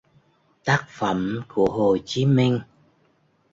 Tác phẩm của Hồ Chí Minh